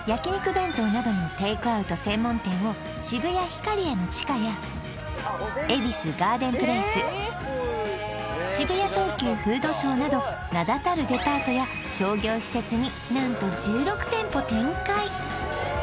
弁当などのテイクアウト専門店を渋谷ヒカリエの地下や恵比寿ガーデンプレイス渋谷東急フードショーなど名だたるデパートや商業施設に何と１６店舗展開